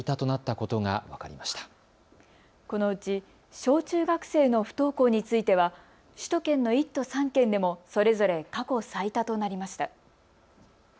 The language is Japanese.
このうち小中学生の不登校については首都圏の１都３県でもそれぞれ過去最多となりました。